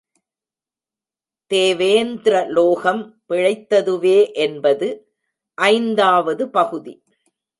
தேவேந்த்ர லோகம் பிழைத்ததுவே என்பது ஐந்தாவ்து பகுதி.